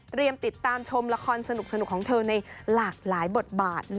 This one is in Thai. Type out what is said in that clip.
ติดตามชมละครสนุกของเธอในหลากหลายบทบาท